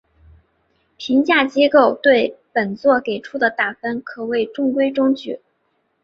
评价机构对本作给出的打分可谓中规中矩。